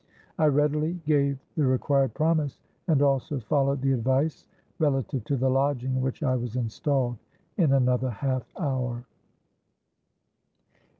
I readily gave the required promise, and also followed the advice relative to the lodging, in which I was installed in another half hour.